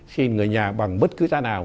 xin người nhà bằng bất cứ ra nào